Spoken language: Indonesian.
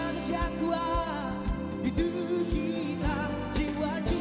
kami akan buru dan bandung setelah umur